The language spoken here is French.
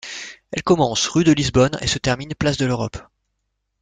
Elle commence rue de Lisbonne et se termine place de l'Europe.